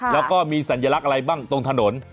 แล้วก็มีสัญลักษณ์อะไรบ้างตรงถนน